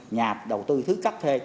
nhà đầu tư thứ cấp thuê